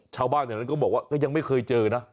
ชาวบ้านแถวนั้นก็บอกว่าก็ยังไม่เคยเจอนะ